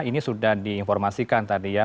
ini sudah diinformasikan tadi ya